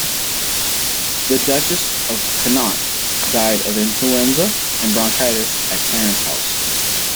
The Duchess of Connaught died of influenza and bronchitis at Clarence House.